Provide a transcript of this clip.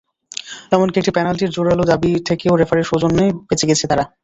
এমনকি একটি পেনাল্টির জোরাল দাবি থেকেও রেফারির সৌজন্যে বেঁচে গেছে তারা।